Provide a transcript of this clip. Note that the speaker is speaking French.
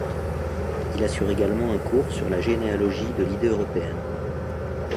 Il assure également un cours sur la généalogie de l’idée européenne.